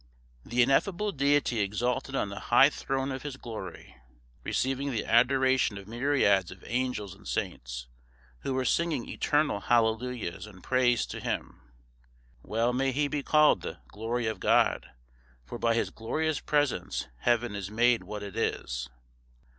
The ineffable Deity exalted on the high throne of his glory, receiving the adoration of myriads of angels and saints, who were singing eternal Hallelujahs and praise to him. (Well may he be called the Glory of God, for by his glorious presence Heaven is made what it is).